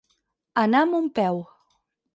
Anar amb un peu.